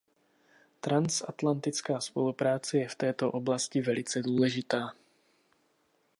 Transatlantická spolupráce je v této oblasti velice důležitá.